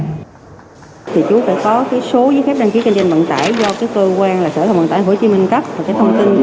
thì chú phải có số giấy khép đăng ký kinh doanh vận tải do cơ quan sở hợp vận tải hồ chí minh cấp